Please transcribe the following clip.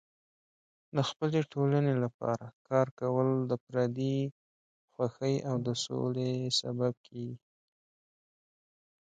د خپلې ټولنې لپاره کار کول د فردي خوښۍ او د سولې سبب کیږي.